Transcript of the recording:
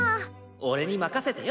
俺に任せてよ。